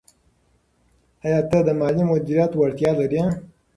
آیا ته د مالي مدیریت وړتیا لرې؟